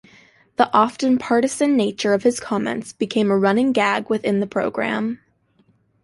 The 'often partisan nature of his comments' became a running gag within the programme.